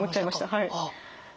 はい。